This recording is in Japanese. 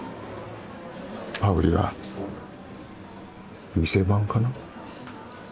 パウリは店番かな？